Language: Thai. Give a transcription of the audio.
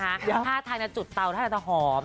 ถ้าถ้ายังจะจุดเตาต้องจะหอม